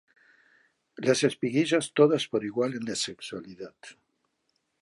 Las espiguillas todas por igual en la sexualidad.